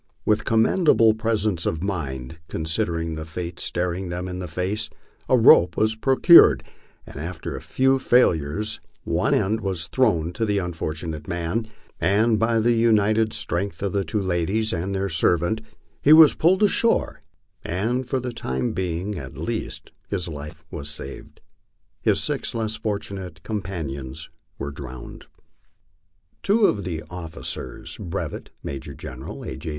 With commenda ble presence of mind, considering the fate staring them in the face, a rope was procured, and after a few failures one end was thrown to the unfortunate man, and by the united strength of the t\vo ladies and their servant he was pulled to shore and, for the time being at least, his life was saved. His six less fortu nate companions were drowned. 50 MY LIFE ON THE PLAINS. Two of the officers, Brevet Major General A. J.